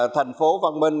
thành phố văn minh